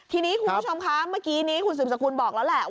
ทีนี้คุณผู้ชมคะเมื่อกี้นี้คุณสืบสกุลบอกแล้วแหละ